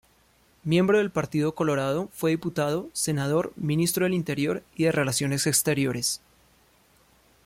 Miembro del Partido Colorado fue diputado, senador, Ministro del Interior y de Relaciones Exteriores.